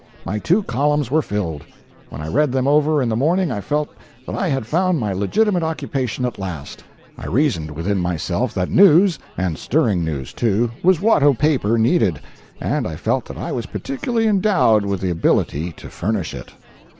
My two columns were filled. When I read them over in the morning I felt that I had found my legitimate occupation at last. I reasoned within myself that news, and stirring news, too, was what a paper needed, and I felt that I was peculiarly endowed with the ability to furnish it.